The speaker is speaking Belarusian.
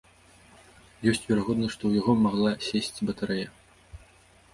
Ёсць верагоднасць, што ў яго магла сесці батарэя.